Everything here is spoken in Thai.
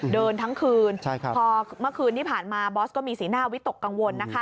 เดินทั้งคืนพอเมื่อคืนที่ผ่านมาบอสก็มีสีหน้าวิตกกังวลนะคะ